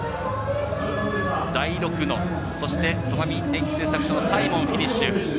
大六野、そして戸上電機製作所のサイモン、フィニッシュ。